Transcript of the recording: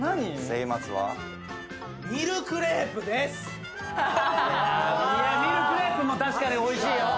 ミルクレープも確かにおいしいよ。